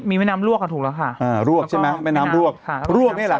มีแม่น้ำลวกอ่ะถูกแล้วค่ะอ่าลวกใช่ไหมแม่น้ำลวกค่ะลวกนี่แหละ